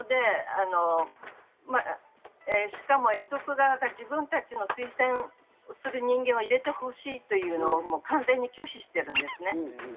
しかも、遺族側が自分たちの推薦する人間を入れてほしいというのを完全に拒否しているんですね。